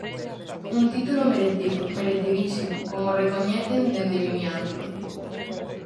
Un título merecido, merecidísimo, como recoñecen dende Vimianzo.